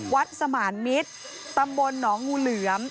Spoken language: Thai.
สมานมิตรตำบลหนองงูเหลือม